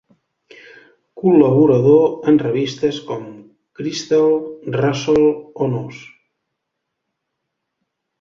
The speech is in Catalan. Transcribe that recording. Col·laborador en revistes com Cristal, Resol o Nós.